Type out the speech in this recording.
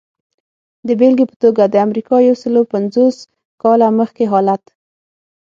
د بېلګې په توګه د امریکا یو سلو پنځوس کاله مخکې حالت.